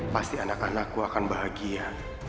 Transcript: pasti anak anakku akan bahagia